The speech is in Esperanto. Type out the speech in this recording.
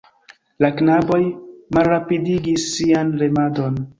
La knaboj malrapidigis sian remadon.